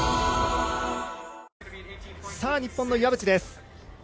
日本の岩渕です。